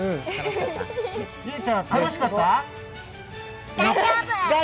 ゆうちゃん、楽しかった？